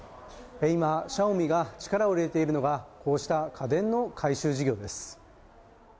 今、シャオミが力を入れているのがこうした家電の回収事業です。